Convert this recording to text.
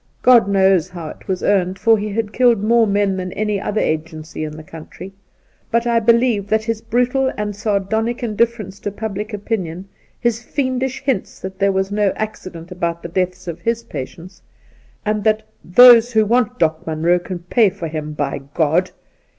God knows how it was earned, for he had killed more men than any other agency in the country ; but I believe that his brutal and sardonic indifference to public opinion, his fiendish hints that there was no accident about the deaths of his patients, and that ' those who want Doc Munroe can pay for him, by G — d